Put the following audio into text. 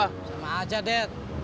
sama aja det